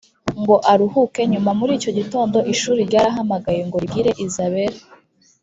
ngo aruhuke nyuma muri icyo gitondo ishuri ryarahamagaye ngo ribwire isabel